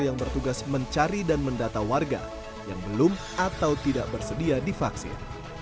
yang bertugas mencari dan mendata warga yang belum atau tidak bersedia divaksin